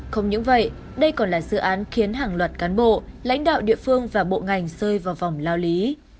không những vậy đây còn là dự án khiến hàng loạt cán bộ lãnh đạo địa phương và bộ ngành rơi vào vòng lao lý